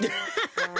ハハハ！